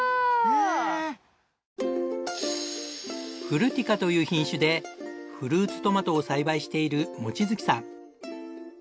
フルティカという品種でフルーツトマトを栽培している望月さん。